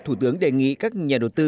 thủ tướng đề nghị các nhà đầu tư